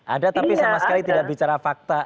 ada tapi sama sekali tidak bicara fakta